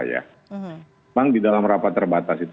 memang di dalam rapat terbatas itu